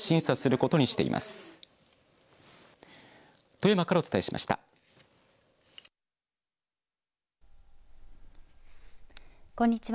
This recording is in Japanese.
こんにちは。